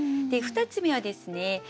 ２つ目はですね